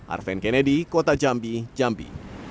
arven kennedy kota jambi jambi